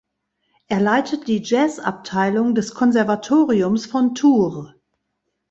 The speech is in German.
Er leitet die Jazzabteilung des Konservatoriums von Tours.